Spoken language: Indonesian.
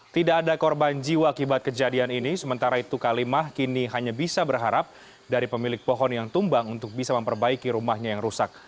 tidak ada korban jiwa akibat kejadian ini sementara itu kalimah kini hanya bisa berharap dari pemilik pohon yang tumbang untuk bisa memperbaiki rumahnya yang rusak